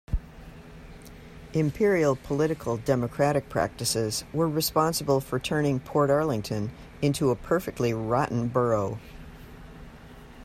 Imperial political democratic practices were responsible for turning Portarlington into a perfectly rotten borough.